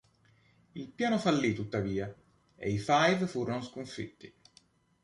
Il piano fallì, tuttavia, e i Five furono sconfitti.